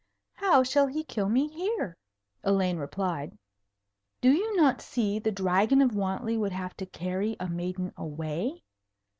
"How shall he kill me here?" Elaine replied. "Do you not see the Dragon of Wantley would have to carry a maiden away?